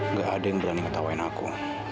nggak ada yang berani ngetawain aku